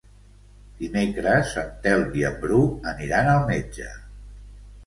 Dimecres en Telm i en Bru aniran al metge.